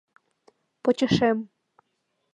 Почешем